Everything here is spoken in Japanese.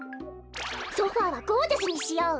ソファーはゴージャスにしよう。